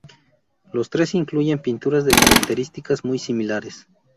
Los tres incluyen pinturas de características muy similares.